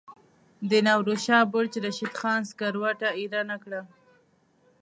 د نوروز شاه برج رشید خان سکروټه ایره نه کړه.